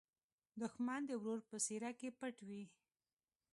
دښمن د ورور په څېره کې پټ وي